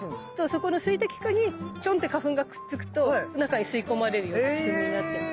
そこの水滴にチョンって花粉がくっつくと中に吸い込まれるような仕組みになってるの。